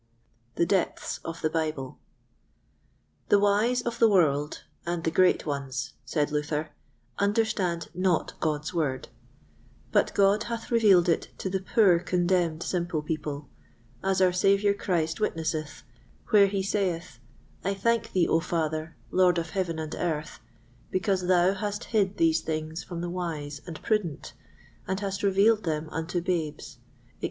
The Depths of the Bible. The wise of the world, and the great ones, said Luther, understand not God's Word; but God hath revealed it to the poor contemned simple people, as our Saviour Christ witnesseth, where he saith, "I thank thee, O Father, Lord of heaven and earth, because thou hast hid these things from the wise and prudent, and hast revealed them unto babes," etc.